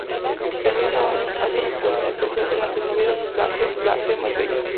El mismo año hace una actuación especial en la telenovela La fea más bella.